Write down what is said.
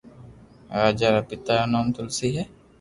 راجا رآ پيتا رو نوم تلسي ھي